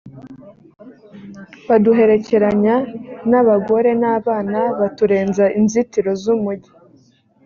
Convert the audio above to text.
baduherekeranya n’abagore n’abana baturenza inzitiro z’umujyi